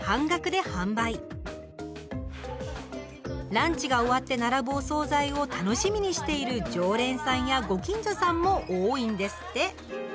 ランチが終わって並ぶお総菜を楽しみにしている常連さんやご近所さんも多いんですって。